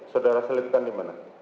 saudara selipkan dimana